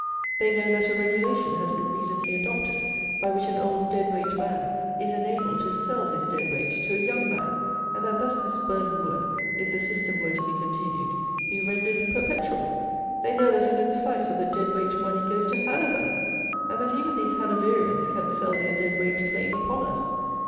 They know that a regulation has been recently adopted, by which an old dead weight man is enabled to sell his dead weight to a young man; and that thus this burden would, if the system were to be continued, be rendered perpetual. They know that a good slice of the dead weight money goes to Hanover; and that even these Hanoverians can sell their dead weight claim upon us.